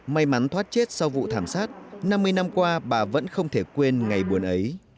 may mắn thoát chết sau vụ thảm sát năm mươi năm qua bà vẫn không thể quên ngày buồn ấy